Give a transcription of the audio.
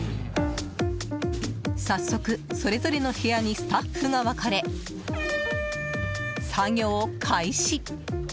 早速、それぞれの部屋にスタッフが分かれ作業開始。